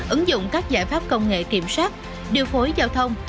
ứng dụng các giải pháp công nghệ kiểm soát điều phối giao thông